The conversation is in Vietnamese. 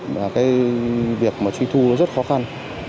và cái việc mà truy thu nó rất khó khăn